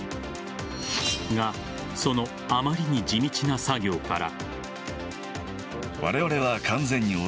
が、そのあまりに地道な作業から。